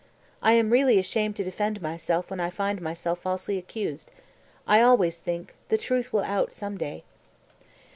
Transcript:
I am really ashamed to defend myself when I find myself falsely accused; I always think, the truth will out some day."